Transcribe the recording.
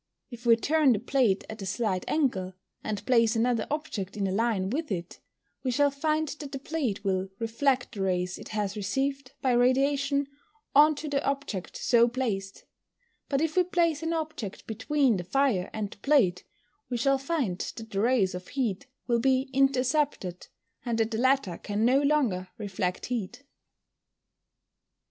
If we turn the plate at a slight angle, and place another object in a line with it, we shall find that the plate will reflect the rays it has received by radiation, on to the object so placed; but if we place an object between the fire and the plate, we shall find that the rays of heat will be intercepted, and that the latter can no longer reflect heat.